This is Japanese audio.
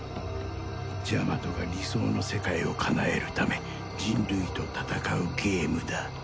ジャマトが理想の世界をかなえるため人類と戦うゲームだ